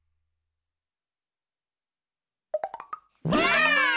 ばあっ！